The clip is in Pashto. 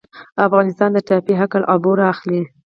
افغانستان د ټاپي حق العبور اخلي